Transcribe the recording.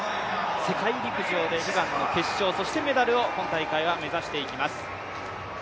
世界陸上で悲願の決勝、そしてメダルを目指していきます。